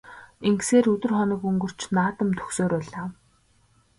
Ингэсээр өдөр хоног өнгөрч наадам дөхсөөр байлаа.